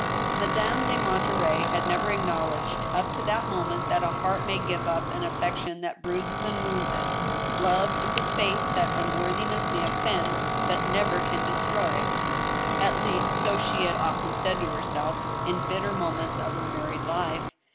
Madame de Monterey had never acknowledged up to that mo ment that a heart may give up an affection that bruises and wounds 224 ^^^ STEEL HAMMER. it. Love is a faith that unworthiness may offend, but never cxa destroy. At least, so she had often said to herself in bitter moments of her married life.